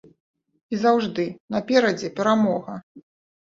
І заўжды наперадзе перамога.